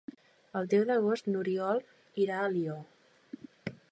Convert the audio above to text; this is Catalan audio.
El deu d'agost n'Oriol irà a Alió.